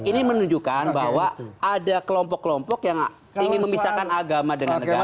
ini menunjukkan bahwa ada kelompok kelompok yang ingin memisahkan agama dengan negara